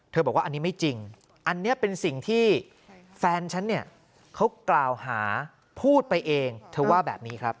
บอกว่าอันนี้ไม่จริงอันนี้เป็นสิ่งที่แฟนฉันเนี่ยเขากล่าวหาพูดไปเองเธอว่าแบบนี้ครับ